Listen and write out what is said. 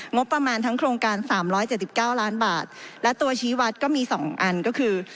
งบประมาณทั้งโครงการ๓๗๙ล้านบาทและตัวชี้วัดก็มี๒อันก็คือ